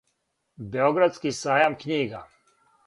Београдски сајам књига.